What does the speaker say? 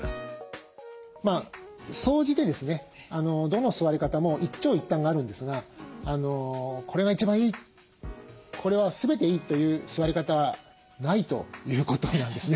どの座り方も一長一短があるんですがこれが一番いいこれは全ていいという座り方はないということなんですね。